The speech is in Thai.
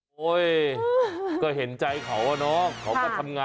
พี่ค่ะอยากเข้าบ้านค่ะ